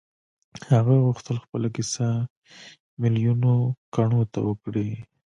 هغه غوښتل خپله کيسه ميليونو کڼو ته وکړي.